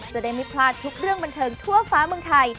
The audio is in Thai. จะได้ไม่พลาดทุกเรื่องบันเทิงทั่วฟ้าเมืองไทย